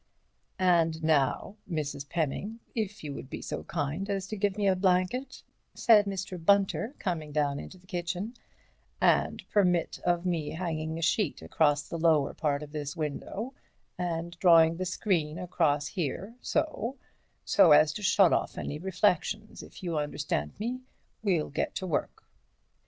"And now, Mrs. Pemming, if you would be so kind as give me a blanket," said Mr. Bunter, coming down into the kitchen, "and permit of me hanging a sheet across the lower part of this window, and drawing the screen across here, so—so as to shut off any reflections, if you understand me, we'll get to work.''